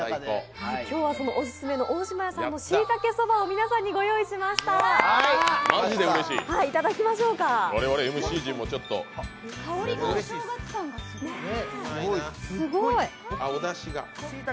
今日はオススメの大島屋さんのしいたけそばをご用意しました。